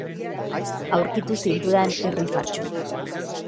Aurkitu zintudan irrifartsu.